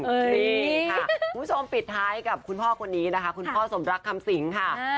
นี่ค่ะคุณผู้ชมปิดท้ายกับคุณพ่อคนนี้นะคะคุณพ่อสมรักคำสิงค่ะ